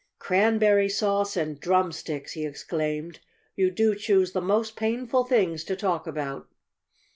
"Cranberry sauce and drumsticks!" he exclaimed. "You do choose the most painful things to talk about."